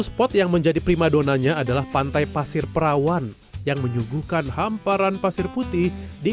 tempat yang menjadi primadonanya adalah pantai pasir perawan yang menyuguhkan hamparan pasir putih di